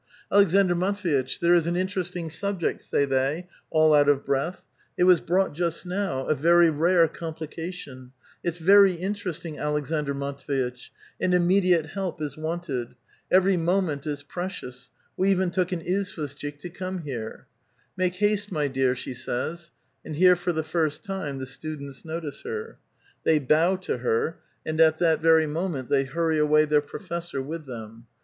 ^^ Aleksandr Matv^itch, there is an interesting subject," say they, all out of breath; *' it was brought just now — a very rare complication ; it's very interesting, Aleksandr Matv^itch, and immediate help is wanted. Eveiy moment is precious ; we even took an izvoshchik to come here." ^^ Make haste, my dear," she says ; and here for the first time the students notice her. They bow to her, and at that very moment they hurry away their professor with them.